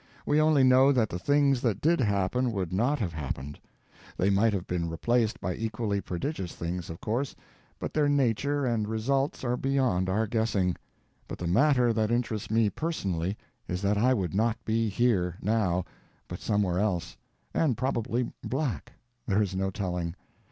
We only know that the things that did happen would not have happened. They might have been replaced by equally prodigious things, of course, but their nature and results are beyond our guessing. But the matter that interests me personally is that I would not be _here _now, but somewhere else; and probably black—there is no telling.